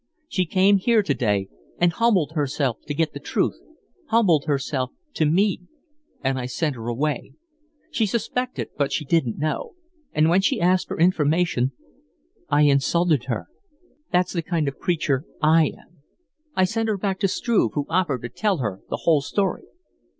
She came here to day and humbled herself to get the truth, humbled herself to me, and I sent her away. She suspected, but she didn't know, and when she asked for information I insulted her. That's the kind of a creature I am. I sent her back to Struve, who offered to tell her the whole story."